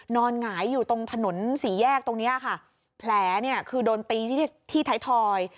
หงายอยู่ตรงถนนสี่แยกตรงเนี้ยค่ะแผลเนี่ยคือโดนตีที่ที่ไทยทอย